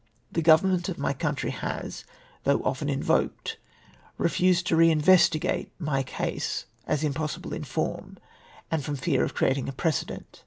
The Government of my country has, though often invoked, refused to re investigate my case, as impossible in form, and from fear of creating a precedent.